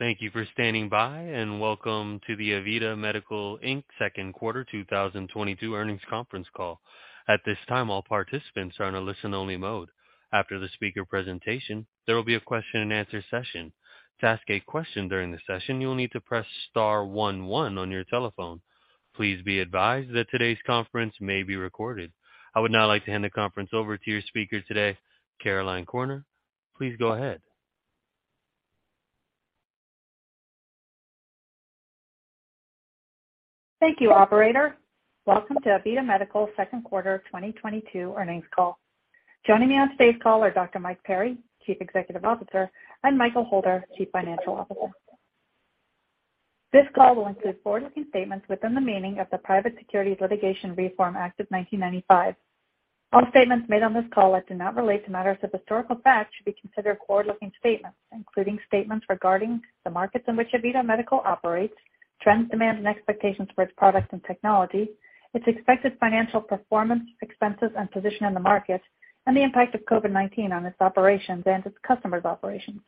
Thank you for standing by and welcome to the AVITA Medical, Inc. Q2 2022 earnings conference call. At this time, all participants are in a listen-only mode. After the speaker presentation, there will be a question-and-answer session. To ask a question during the session, you will need to press star one one on your telephone. Please be advised that today's conference may be recorded. I would now like to hand the conference over to your speaker today, Caroline Corner. Please go ahead. Thank you, operator. Welcome to AVITA Medical Q2 2022 earnings call. Joining me on today's call are Dr. Mike Perry, Chief Executive Officer, and Michael Holder, Chief Financial Officer. This call will include forward-looking statements within the meaning of the Private Securities Litigation Reform Act of 1995. All statements made on this call that do not relate to matters of historical fact should be considered forward-looking statements, including statements regarding the markets in which AVITA Medical operates, trends, demand, and expectations for its products and technology, its expected financial performance, expenses, and position in the market, and the impact of COVID-19 on its operations and its customers' operations.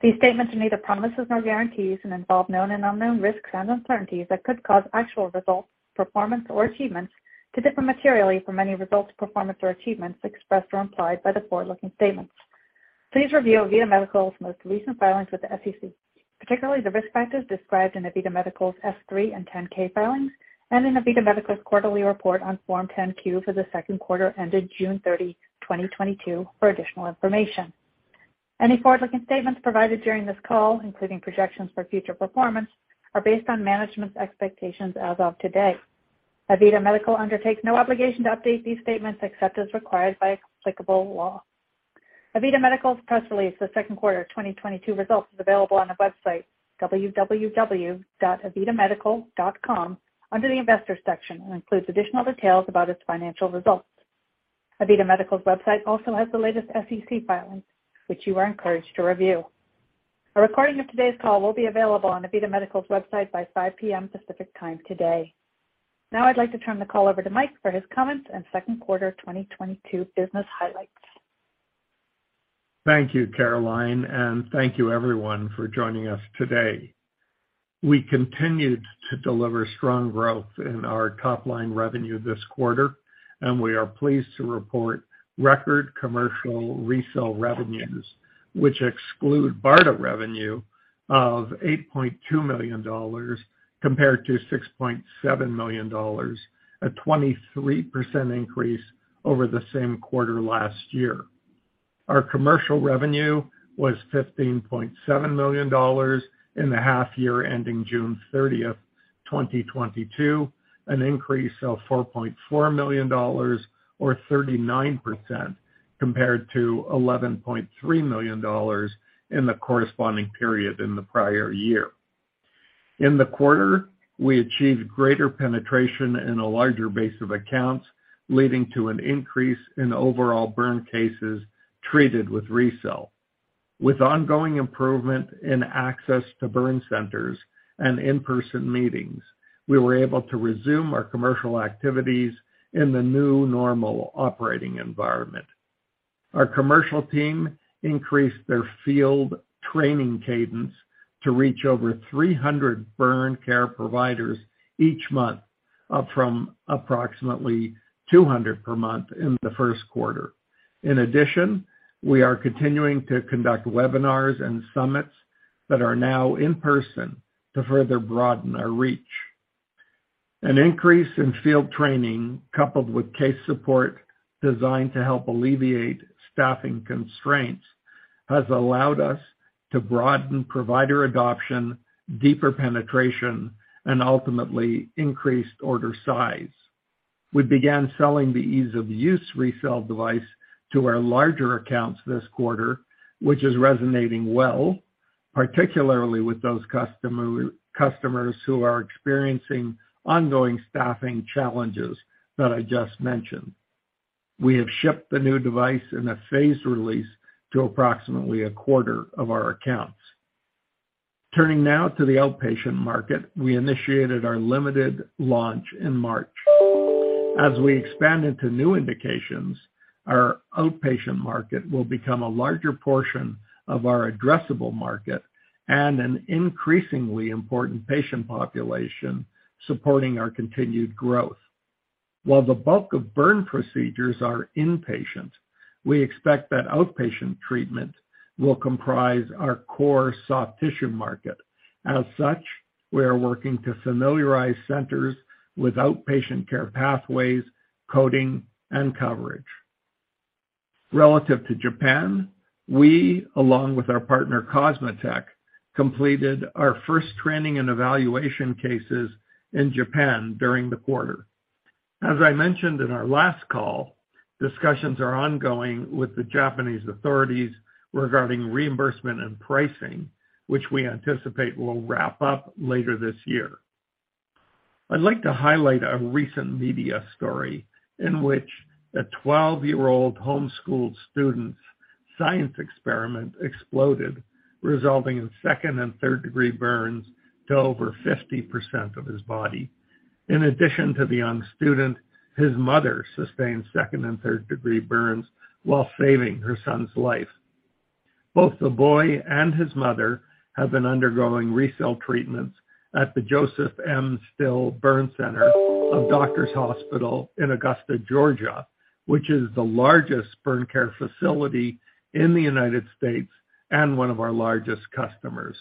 These statements are neither promises nor guarantees and involve known and unknown risks and uncertainties that could cause actual results, performance, or achievements to differ materially from any results, performance, or achievements expressed or implied by the forward-looking statements. Please review AVITA Medical's most recent filings with the SEC, particularly the risk factors described in AVITA Medical's S-3 and 10-K filings and in AVITA Medical's quarterly report on Form 10-Q for the Q2 ended June 30, 2022 for additional information. Any forward-looking statements provided during this call, including projections for future performance, are based on management's expectations as of today. AVITA Medical undertakes no obligation to update these statements except as required by applicable law. AVITA Medical's press release for Q2 2022 results is available on the website www.avitamedical.com under the Investors section and includes additional details about its financial results. AVITA Medical's website also has the latest SEC filings, which you are encouraged to review. A recording of today's call will be available on AVITA Medical's website by 5:00 P.M. Pacific Time today. Now I'd like to turn the call over to Mike for his comments and Q2 2022 business highlights. Thank you, Caroline, and thank you everyone for joining us today. We continued to deliver strong growth in our top-line revenue this quarter, and we are pleased to report record commercial RECELL revenues, which exclude BARDA revenue of $8.2 million compared to $6.7 million, a 23% increase over the same quarter last year. Our commercial revenue was $15.7 million in the half year ending June 30, 2022, an increase of $4.4 million or 39% compared to $11.3 million in the corresponding period in the prior year. In the quarter, we achieved greater penetration in a larger base of accounts, leading to an increase in overall burn cases treated with resale. With ongoing improvement in access to burn centers and in-person meetings, we were able to resume our commercial activities in the new normal operating environment. Our commercial team increased their field training cadence to reach over 300 burn care providers each month, up from approximately 200 per month in the first quarter. In addition, we are continuing to conduct webinars and summits that are now in person to further broaden our reach. An increase in field training coupled with case support designed to help alleviate staffing constraints has allowed us to broaden provider adoption, deeper penetration, and ultimately increased order size. We began selling the RECELL GO to our larger accounts this quarter, which is resonating well, particularly with those customers who are experiencing ongoing staffing challenges that I just mentioned. We have shipped the new device in a phased release to approximately a quarter of our accounts. Turning now to the outpatient market, we initiated our limited launch in March. As we expand into new indications, our outpatient market will become a larger portion of our addressable market and an increasingly important patient population supporting our continued growth. While the bulk of burn procedures are inpatient, we expect that outpatient treatment will comprise our core soft tissue market. As such, we are working to familiarize centers with outpatient care pathways, coding, and coverage. Relative to Japan, we, along with our partner COSMOTEC, completed our first training and evaluation cases in Japan during the quarter. As I mentioned in our last call, discussions are ongoing with the Japanese authorities regarding reimbursement and pricing, which we anticipate will wrap up later this year. I'd like to highlight a recent media story in which a 12-year-old homeschooled student's science experiment exploded, resulting in second- and third-degree burns to over 50% of his body. In addition to the young student, his mother sustained second- and third-degree burns while saving her son's life. Both the boy and his mother have been undergoing RECELL treatments at the Joseph M. Still Burn Center of Doctors Hospital in Augusta, Georgia, which is the largest burn care facility in the United States and one of our largest customers.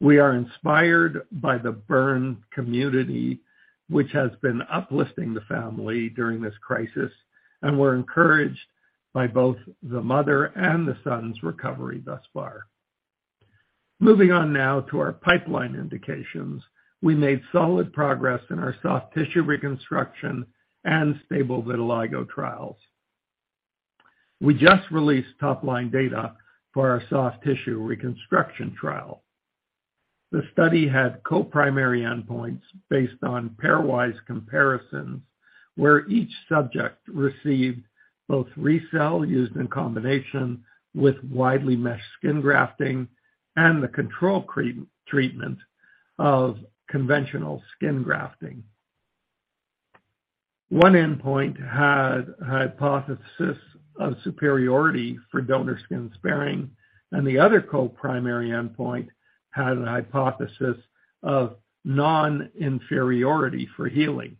We are inspired by the burn community, which has been uplifting the family during this crisis, and we're encouraged by both the mother and the son's recovery thus far. Moving on now to our pipeline indications. We made solid progress in our soft tissue reconstruction and stable vitiligo trials. We just released top-line data for our soft tissue reconstruction trial. The study had co-primary endpoints based on pairwise comparisons, where each subject received both RECELL used in combination with widely meshed skin grafting and the control treatment of conventional skin grafting. One endpoint had a hypothesis of superiority for donor skin sparing, and the other co-primary endpoint had a hypothesis of non-inferiority for healing.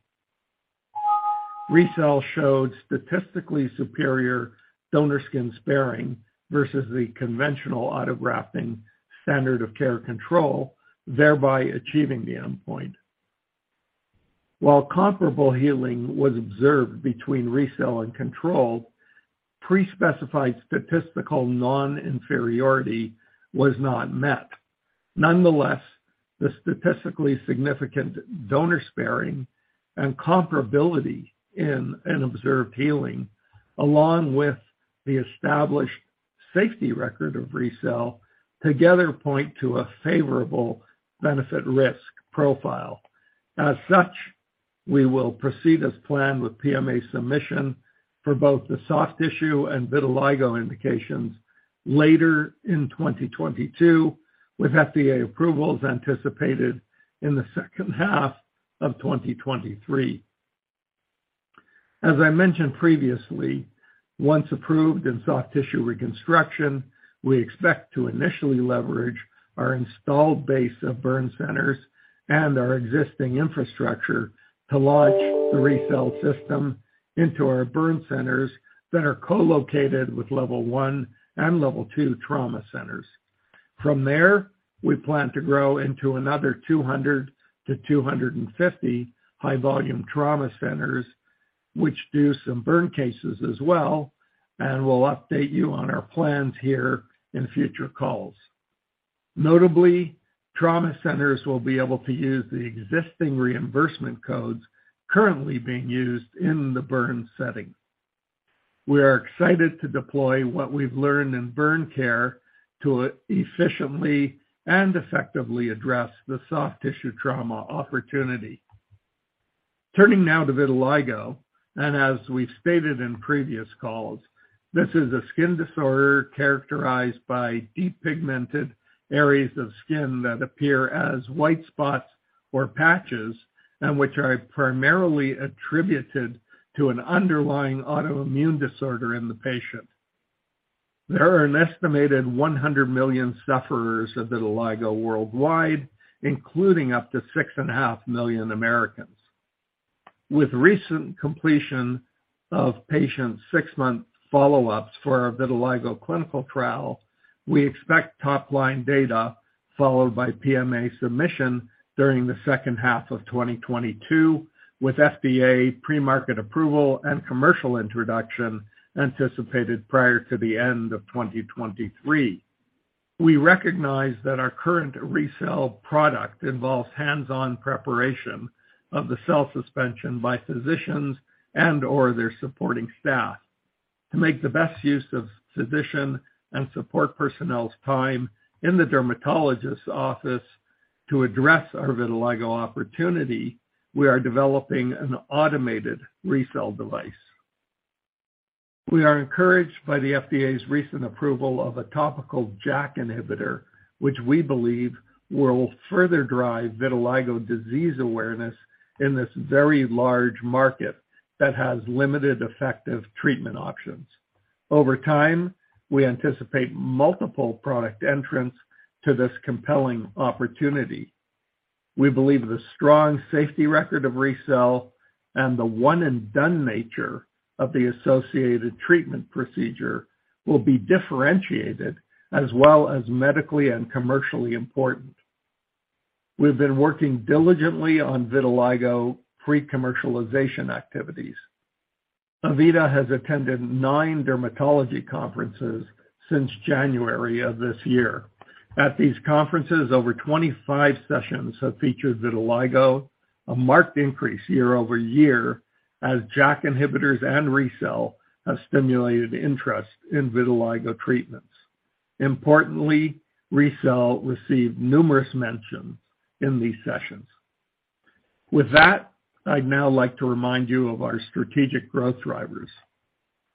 RECELL showed statistically superior donor skin sparing versus the conventional autografting standard of care control, thereby achieving the endpoint. While comparable healing was observed between RECELL and control, pre-specified statistical non-inferiority was not met. Nonetheless, the statistically significant donor sparing and comparability in an observed healing, along with the established safety record of RECELL, together point to a favorable benefit risk profile. As such, we will proceed as planned with PMA submission for both the soft tissue and vitiligo indications later in 2022, with FDA approvals anticipated in the second half of 2023. As I mentioned previously, once approved in soft tissue reconstruction, we expect to initially leverage our installed base of burn centers and our existing infrastructure to launch the RECELL system into our burn centers that are co-located with level 1 and level 2 trauma centers. From there, we plan to grow into another 200-250 high volume trauma centers, which do some burn cases as well, and we'll update you on our plans here in future calls. Notably, trauma centers will be able to use the existing reimbursement codes currently being used in the burn setting. We are excited to deploy what we've learned in burn care to efficiently and effectively address the soft tissue trauma opportunity. Turning now to vitiligo, and as we've stated in previous calls, this is a skin disorder characterized by depigmented areas of skin that appear as white spots or patches, and which are primarily attributed to an underlying autoimmune disorder in the patient. There are an estimated 100 million sufferers of vitiligo worldwide, including up to 6.5 million Americans. With recent completion of patient six-month follow-ups for our vitiligo clinical trial, we expect top-line data followed by PMA submission during the second half of 2022, with FDA pre-market approval and commercial introduction anticipated prior to the end of 2023. We recognize that our current RECELL product involves hands-on preparation of the cell suspension by physicians and/or their supporting staff. To make the best use of physician and support personnel's time in the dermatologist's office to address our vitiligo opportunity, we are developing an automated RECELL device. We are encouraged by the FDA's recent approval of a topical JAK inhibitor, which we believe will further drive vitiligo disease awareness in this very large market that has limited effective treatment options. Over time, we anticipate multiple product entrants to this compelling opportunity. We believe the strong safety record of RECELL and the one and done nature of the associated treatment procedure will be differentiated as well as medically and commercially important. We've been working diligently on vitiligo pre-commercialization activities. AVITA Medical has attended nine dermatology conferences since January of this year. At these conferences, over 25 sessions have featured vitiligo, a marked increase year-over-year as JAK inhibitors and RECELL have stimulated interest in vitiligo treatments. Importantly, RECELL received numerous mentions in these sessions. With that, I'd now like to remind you of our strategic growth drivers.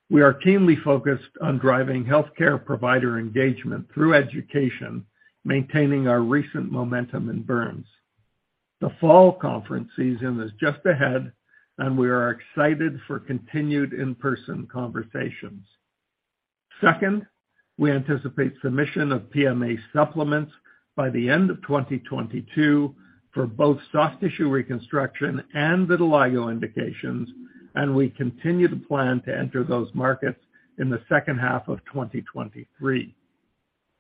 We are keenly focused on driving healthcare provider engagement through education, maintaining our recent momentum in burns. The fall conference season is just ahead, and we are excited for continued in-person conversations. Second, we anticipate submission of PMA supplements by the end of 2022 for both soft tissue reconstruction and vitiligo indications, and we continue to plan to enter those markets in the second half of 2023.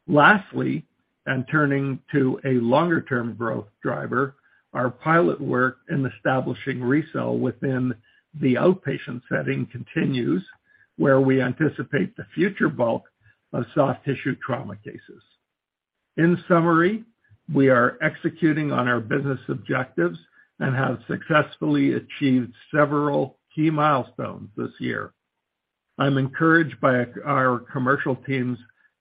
Lastly, and turning to a longer-term growth driver, our pilot work in establishing RECELL within the outpatient setting continues, where we anticipate the future bulk of soft tissue trauma cases. In summary, we are executing on our business objectives and have successfully achieved several key milestones this year. I'm encouraged by our commercial team's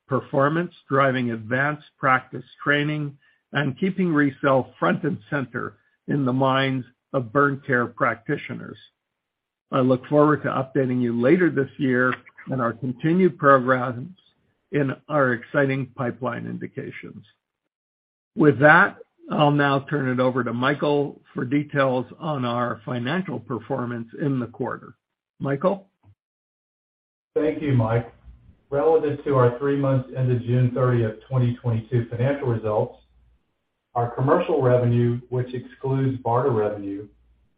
performance, driving advanced practice training and keeping RECELL front and center in the minds of burn care practitioners. I look forward to updating you later this year on our continued programs in our exciting pipeline indications. With that, I'll now turn it over to Michael for details on our financial performance in the quarter. Michael? Thank you, Mike. Relative to our three months ended June 30, 2022 financial results, our commercial revenue, which excludes BARDA revenue,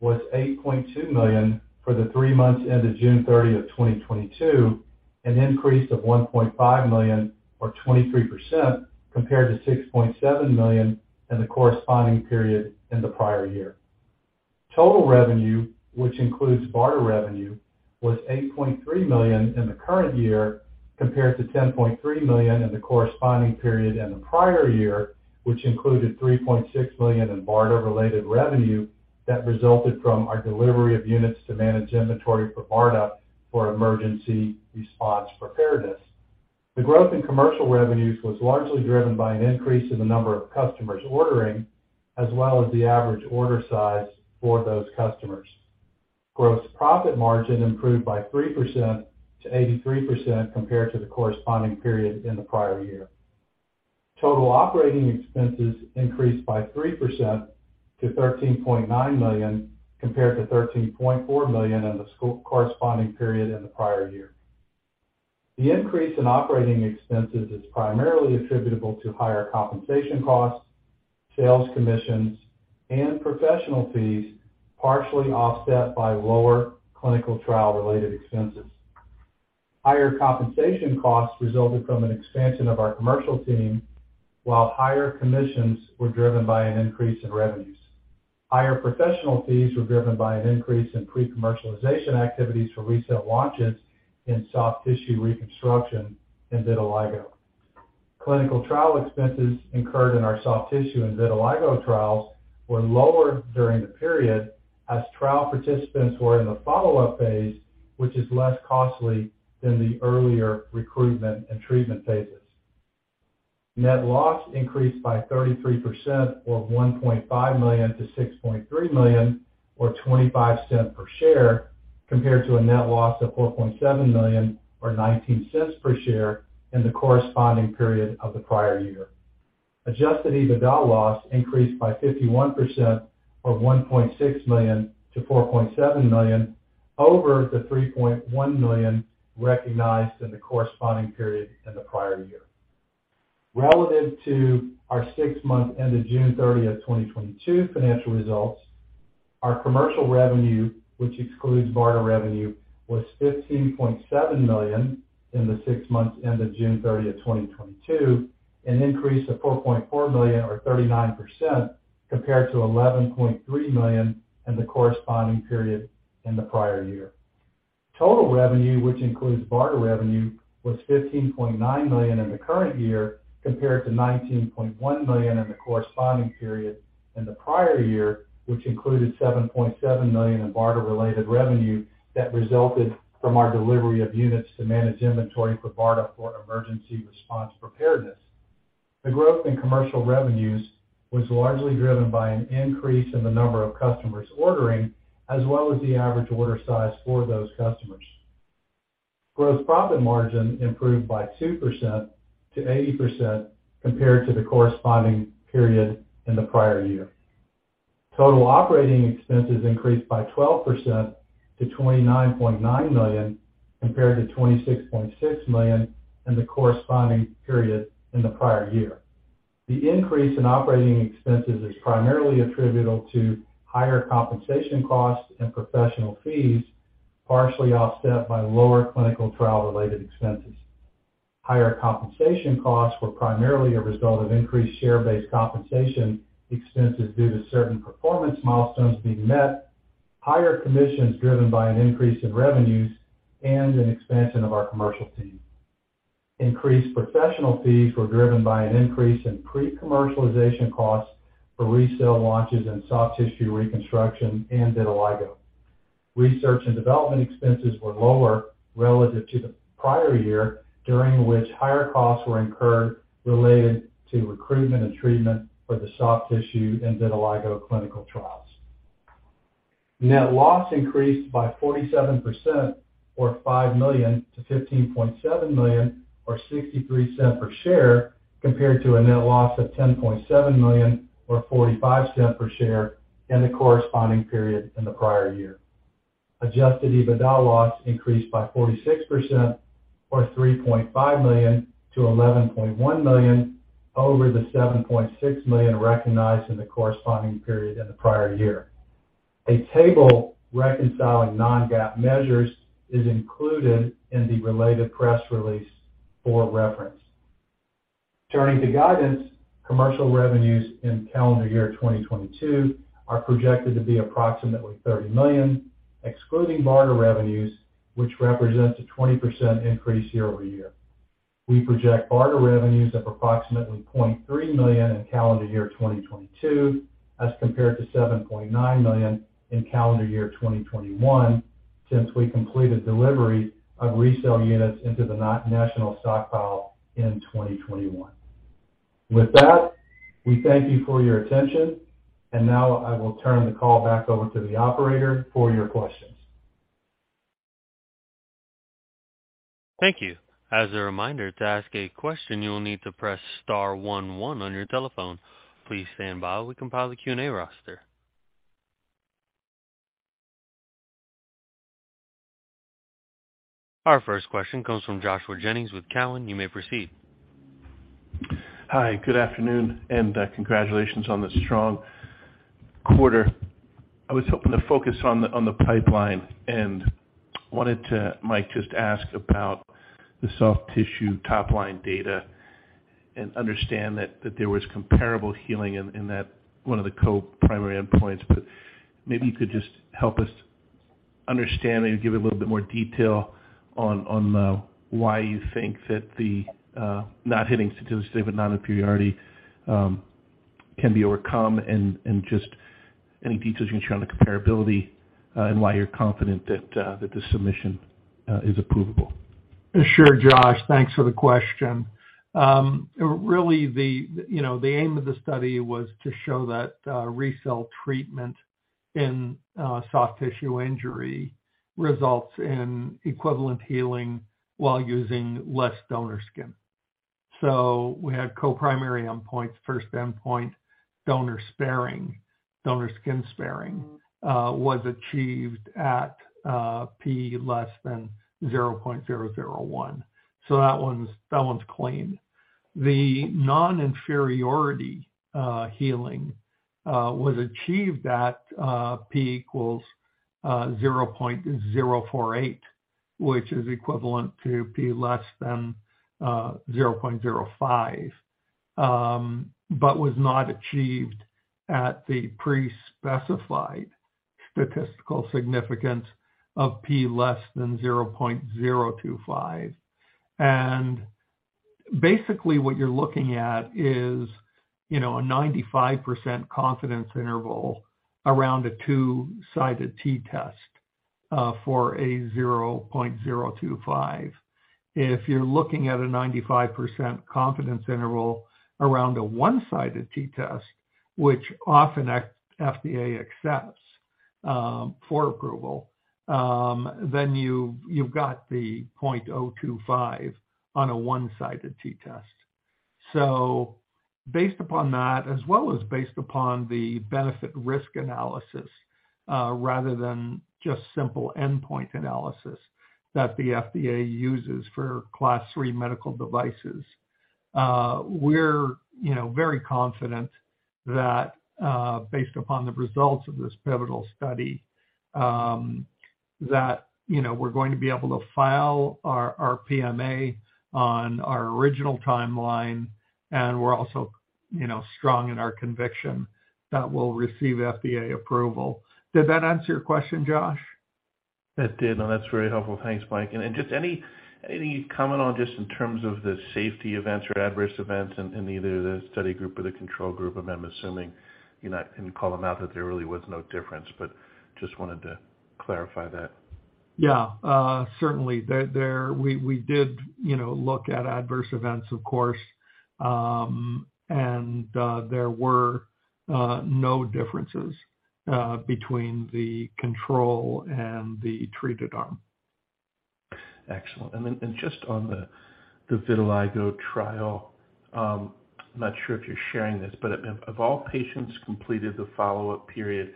was $80.2 million for the three months ended June 30, 2022, an increase of $1.5 million or 23% compared to $6.7 million in the corresponding period in the prior year. Total revenue, which includes BARDA revenue, was $8.3 million in the current year compared to $10.3 million in the corresponding period in the prior year, which included $3.6 million in BARDA-related revenue that resulted from our delivery of units to manage inventory for BARDA for emergency response preparedness. The growth in commercial revenues was largely driven by an increase in the number of customers ordering as well as the average order size for those customers. Gross profit margin improved by 3% to 83% compared to the corresponding period in the prior year. Total operating expenses increased by 3% to $13.9 million compared to $13.4 million in the corresponding period in the prior year. The increase in operating expenses is primarily attributable to higher compensation costs, sales commissions, and professional fees, partially offset by lower clinical trial-related expenses. Higher compensation costs resulted from an expansion of our commercial team, while higher commissions were driven by an increase in revenues. Higher professional fees were driven by an increase in pre-commercialization activities for RECELL launches in soft tissue reconstruction and vitiligo. Clinical trial expenses incurred in our soft tissue and vitiligo trials were lower during the period as trial participants were in the follow-up phase, which is less costly than the earlier recruitment and treatment phases. Net loss increased by 33% or $1.5 million to $6.3 million or 25 cents per share compared to a net loss of $4.7 million or 19 cents per share in the corresponding period of the prior year. Adjusted EBITDA loss increased by 51% or $1.6 million to $4.7 million over the $3.1 million recognized in the corresponding period in the prior year. Relative to our six months ended June 30, 2022 financial results, our commercial revenue, which excludes BARDA revenue, was $15.7 million in the six months ended June 30, 2022, an increase of $4.4 million or 39% compared to $11.3 million in the corresponding period in the prior year. Total revenue, which includes BARDA revenue, was $15.9 million in the current year compared to $19.1 million in the corresponding period in the prior year, which included $7.7 million in BARDA-related revenue that resulted from our delivery of units to manage inventory for BARDA for emergency response preparedness. The growth in commercial revenues was largely driven by an increase in the number of customers ordering as well as the average order size for those customers. Gross profit margin improved by 2% to 80% compared to the corresponding period in the prior year. Total operating expenses increased by 12% to $29.9 million compared to $26.6 million in the corresponding period in the prior year. The increase in operating expenses is primarily attributable to higher compensation costs and professional fees, partially offset by lower clinical trial-related expenses. Higher compensation costs were primarily a result of increased share-based compensation expenses due to certain performance milestones being met, higher commissions driven by an increase in revenues, and an expansion of our commercial team. Increased professional fees were driven by an increase in pre-commercialization costs for RECELL launches in soft tissue reconstruction and vitiligo. Research and development expenses were lower relative to the prior year, during which higher costs were incurred related to recruitment and treatment for the soft tissue and vitiligo clinical trials. Net loss increased by 47% or $5 million to $15.7 million or $0.63 per share, compared to a net loss of $10.7 million or $0.45 per share in the corresponding period in the prior year. Adjusted EBITDA loss increased by 46% or $3.5 million to $11.1 million over the $7.6 million recognized in the corresponding period in the prior year. A table reconciling non-GAAP measures is included in the related press release for reference. Turning to guidance, commercial revenues in calendar year 2022 are projected to be approximately $30 million, excluding BARDA revenues, which represents a 20% increase year-over-year. We project BARDA revenues of approximately $0.3 million in calendar year 2022, as compared to $7.9 million in calendar year 2021 since we completed delivery of RECELL units into the National Stockpile in 2021. With that, we thank you for your attention and now I will turn the call back over to the operator for your questions. Thank you. As a reminder, to ask a question, you will need to press star one one on your telephone. Please stand by while we compile the Q&A roster. Our first question comes from Joshua Jennings with Cowen. You may proceed. Hi, good afternoon and congratulations on the strong quarter. I was hoping to focus on the pipeline, and wanted to, Mike, just ask about the soft tissue top line data and understand that there was comparable healing in that one of the co-primary endpoints. Maybe you could just help us understand and give a little bit more detail on why you think that the not hitting statistically but non-inferiority can be overcome, and just any details you can share on the comparability, and why you're confident that the submission is approvable. Sure, Josh. Thanks for the question. Really the aim of the study was to show that RECELL treatment in soft tissue injury results in equivalent healing while using less donor skin. We had co-primary endpoints. First endpoint, donor skin sparing, was achieved at P < 0.001. That one's clean. The non-inferiority healing was achieved at P = 0.048, which is equivalent to P < 0.05, but was not achieved at the pre-specified statistical significance of P < 0.025. Basically, what you're looking at is a 95% confidence interval around a two-sided t-test for 0.025. If you're looking at a 95% confidence interval around a one-sided t-test, which often FDA accepts, for approval, then you've got the 0.025 on a one-sided t-test. Based upon that as well as based upon the benefit risk analysis, rather than just simple endpoint analysis that the FDA uses for Class III medical devices, we're, you know, very confident that, based upon the results of this pivotal study, that, you know, we're going to be able to file our PMA on our original timeline, and we're also, you know, strong in our conviction that we'll receive FDA approval. Did that answer your question, Josh? It did, and that's very helpful. Thanks, Mike. Just any comment on just in terms of the safety events or adverse events in either the study group or the control group? I'm assuming you're not going to call them out, that there really was no difference, but just wanted to clarify that. Yeah. Certainly. We did, you know, look at adverse events, of course. There were no differences between the control and the treated arm. Excellent. Then just on the vitiligo trial, I'm not sure if you're sharing this, but have all patients completed the follow-up period,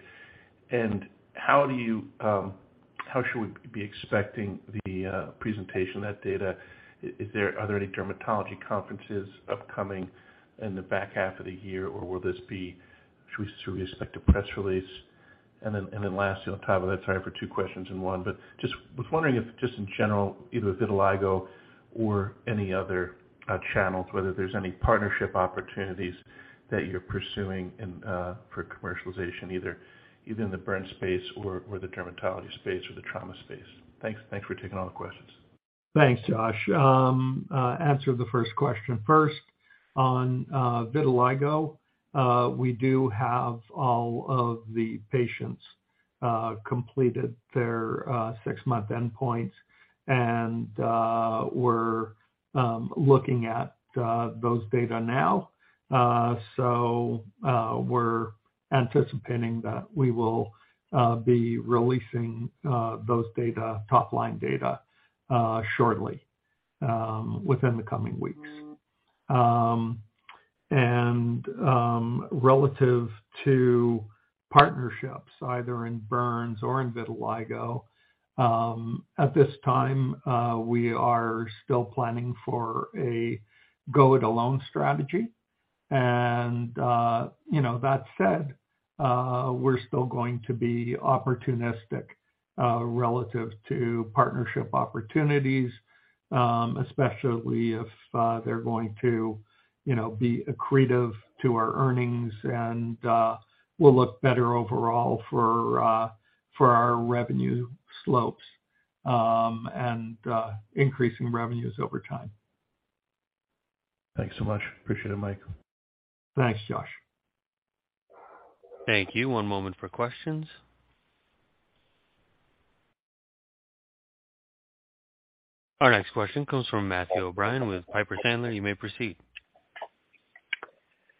and how should we be expecting the presentation of that data? Are there any dermatology conferences upcoming in the back half of the year, or should we still be expecting a press release? Then last, on top of that, sorry for two questions in one, but was wondering if in general, either with vitiligo or any other channels, whether there's any partnership opportunities that you're pursuing and for commercialization either in the burn space or the dermatology space or the trauma space. Thanks for taking all the questions. Thanks, Josh. Answer the first question first. On vitiligo, we do have all of the patients completed their six-month endpoints and we're looking at those data now. We're anticipating that we will be releasing those data, top-line data, shortly, within the coming weeks. Relative to partnerships either in burns or in vitiligo, at this time, we are still planning for a go-it-alone strategy. You know, that said, we're still going to be opportunistic relative to partnership opportunities, especially if they're going to, you know, be accretive to our earnings and will look better overall for our revenue slopes, and increasing revenues over time. Thanks so much. Appreciate it, Mike. Thanks, Josh. Thank you. One moment for questions. Our next question comes from Matthew O'Brien with Piper Sandler. You may proceed.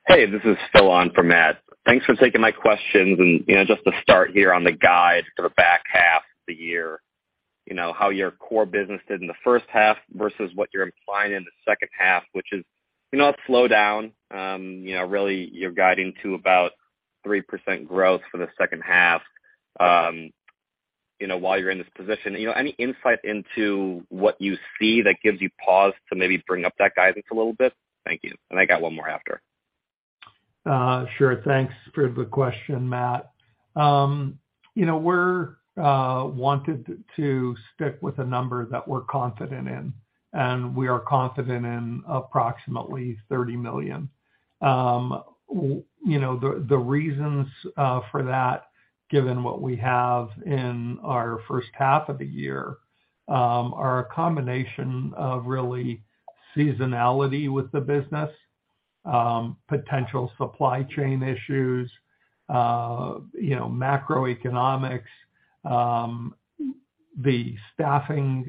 Hey, this is Phil on for Matt. Thanks for taking my questions. You know, just to start here on the guide for the back half of the year, you know, how your core business did in the first half versus what you're implying in the second half, which is, you know, a slowdown. You know, really you're guiding to about 3% growth for the second half, you know, while you're in this position. You know, any insight into what you see that gives you pause to maybe bring up that guidance a little bit? Thank you. I got one more after. Sure. Thanks for the question, Matt. You know, we wanted to stick with a number that we're confident in, and we are confident in approximately $30 million. You know, the reasons for that, given what we have in our first half of the year, are a combination of really seasonality with the business, potential supply chain issues, you know, macroeconomics, the staffing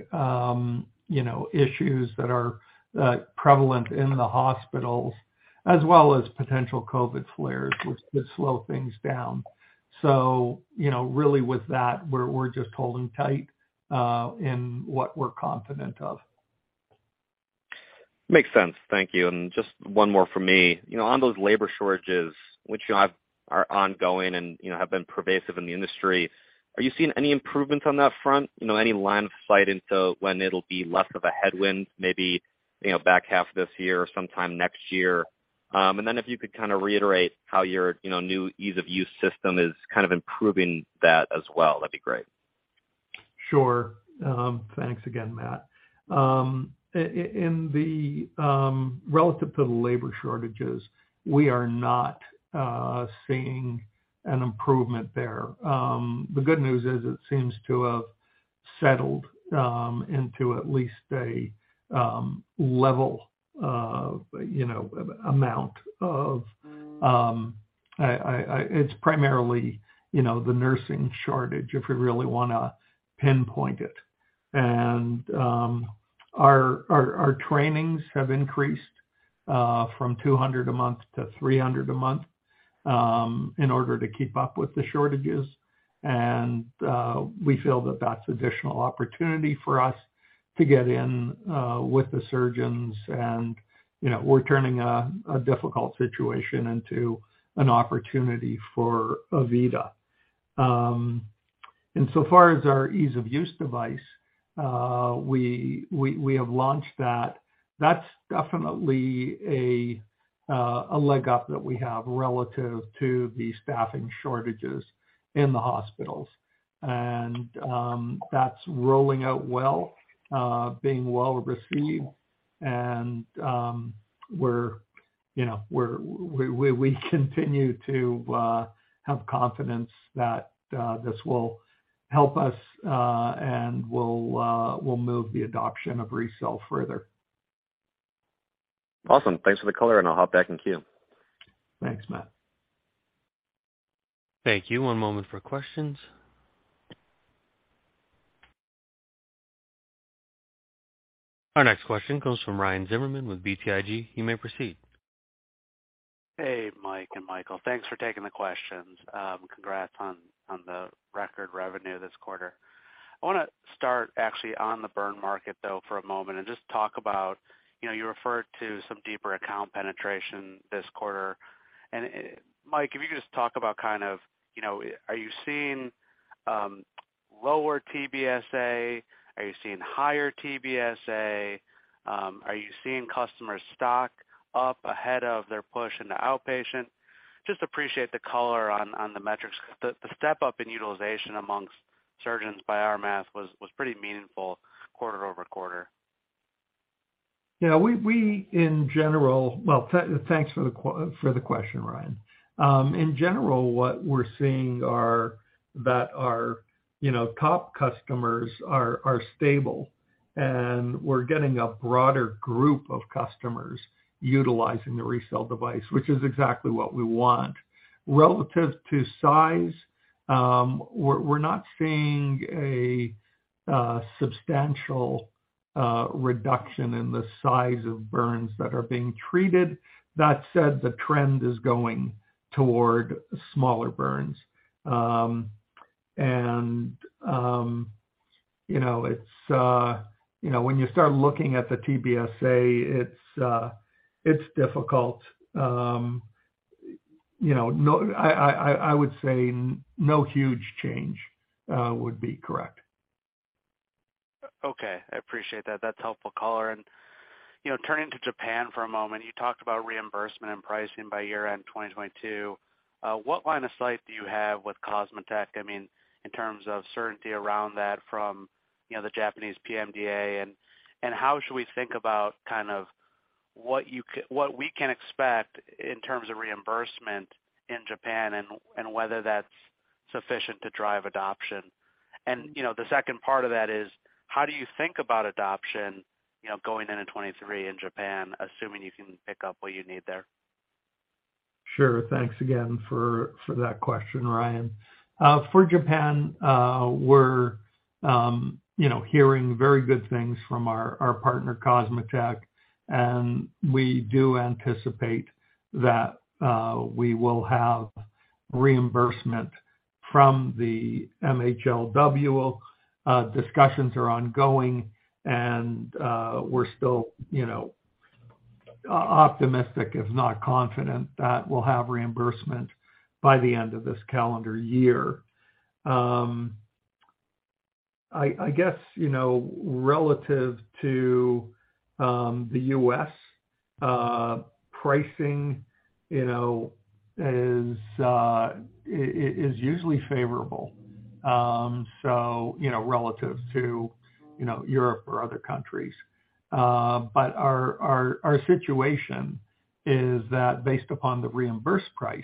issues that are prevalent in the hospitals, as well as potential COVID flares which could slow things down. You know, really with that, we're just holding tight in what we're confident of. Makes sense. Thank you. Just one more from me. You know, on those labor shortages, which you have, are ongoing and, you know, have been pervasive in the industry, are you seeing any improvements on that front? You know, any line of sight into when it'll be less of a headwind, maybe, you know, back half of this year or sometime next year? If you could kinda reiterate how your, you know, new ease-of-use system is kind of improving that as well, that'd be great. Sure. Thanks again, Matt. In relation to the labor shortages, we are not seeing an improvement there. The good news is it seems to have settled. It's primarily, you know, the nursing shortage, if we really wanna pinpoint it. Our trainings have increased from 200 a month to 300 a month in order to keep up with the shortages. We feel that that's additional opportunity for us to get in with the surgeons and, you know, we're turning a difficult situation into an opportunity for AVITA. As far as our ease-of-use device, we have launched that. That's definitely a leg up that we have relative to the staffing shortages in the hospitals. That's rolling out well, being well received. You know, we continue to have confidence that this will help us and will move the adoption of RECELL further. Awesome. Thanks for the color, and I'll hop back in queue. Thanks, Matthew. Thank you. One moment for questions. Our next question comes from Ryan Zimmerman with BTIG. You may proceed. Hey, Mike and Michael. Thanks for taking the questions. Congrats on the record revenue this quarter. I wanna start actually on the burn market, though, for a moment and just talk about, you know, you referred to some deeper account penetration this quarter. Mike, if you could just talk about kind of, you know, are you seeing lower TBSA? Are you seeing higher TBSA? Are you seeing customer stock up ahead of their push into outpatient? Just appreciate the color on the metrics. The step-up in utilization among surgeons by our math was pretty meaningful quarter-over-quarter. Thanks for the question, Ryan. In general, what we're seeing are that our top customers are stable, and we're getting a broader group of customers utilizing the RECELL device, which is exactly what we want. Relative to size, we're not seeing a substantial reduction in the size of burns that are being treated. That said, the trend is going toward smaller burns. You know, when you start looking at the TBSA, it's difficult. You know, I would say no huge change would be correct. Okay. I appreciate that. That's helpful, caller. You know, turning to Japan for a moment, you talked about reimbursement and pricing by year-end 2022. What line of sight do you have with COSMOTEC? I mean, in terms of certainty around that from, you know, the Japanese PMDA. And how should we think about kind of what we can expect in terms of reimbursement in Japan and whether that's sufficient to drive adoption? You know, the second part of that is, how do you think about adoption, you know, going into 2023 in Japan, assuming you can pick up what you need there? Sure. Thanks again for that question, Ryan. For Japan, we're you know, hearing very good things from our partner, COSMOTEC, and we do anticipate that we will have reimbursement from the MHLW. Discussions are ongoing, and we're still you know, optimistic, if not confident, that we'll have reimbursement by the end of this calendar year. I guess you know, relative to the U.S. pricing, you know, is usually favorable, so you know, relative to you know, Europe or other countries. Our situation is that based upon the reimbursed price,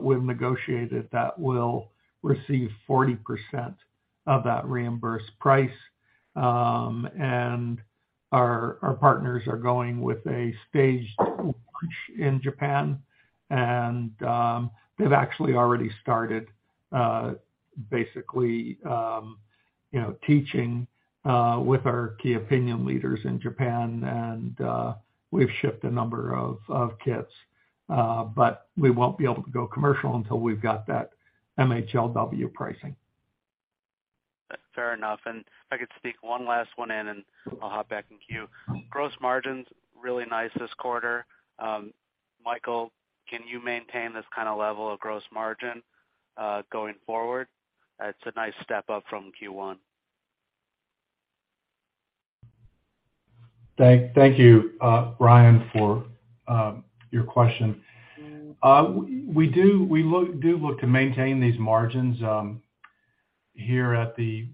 we've negotiated that we'll receive 40% of that reimbursed price. Our partners are going with a staged launch in Japan, and they've actually already started basically you know teaching with our key opinion leaders in Japan. We've shipped a number of kits, but we won't be able to go commercial until we've got that MHLW pricing. Fair enough. If I could sneak one last one in, and I'll hop back in queue. Gross margins, really nice this quarter. Michael, can you maintain this kinda level of gross margin, going forward? It's a nice step up from Q1. Thank you, Ryan, for your question. We do look to maintain these margins here at the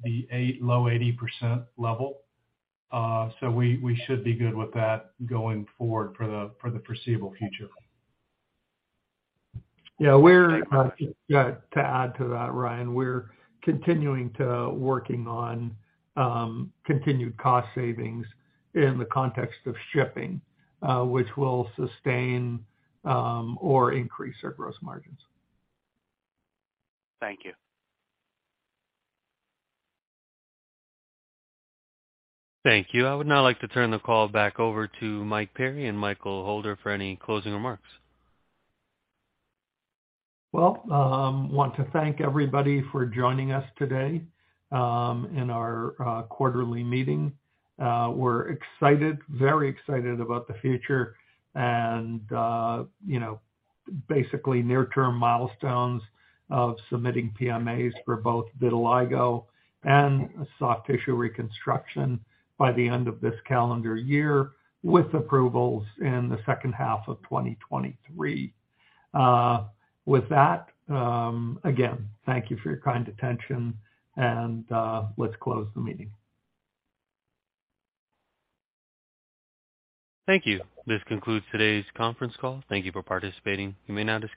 low 80% level. We should be good with that going forward for the foreseeable future. To add to that, Ryan, we're continuing to work on continued cost savings in the context of shipping, which will sustain or increase our gross margins. Thank you. Thank you. I would now like to turn the call back over to Mike Perry and Michael Holder for any closing remarks. Well, want to thank everybody for joining us today, in our quarterly meeting. We're excited, very excited about the future and, you know, basically near-term milestones of submitting PMAs for both vitiligo and soft tissue reconstruction by the end of this calendar year, with approvals in the second half of 2023. With that, again, thank you for your kind attention, and let's close the meeting. Thank you. This concludes today's conference call. Thank you for participating. You may now disconnect.